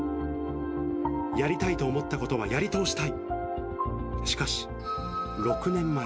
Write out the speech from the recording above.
やりたいと思ったことはやり通したい。